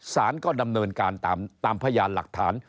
สารก็ดำเนินการตามพยานหลักฐาน